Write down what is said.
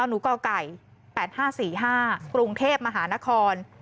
นก๘๕๔๕ปรุงเทพฯมหานคร